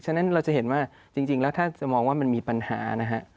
ฉะนั้นเราจะเห็นว่าจริงแล้วถ้าจะมองว่ามันมีปัญหานะฮะ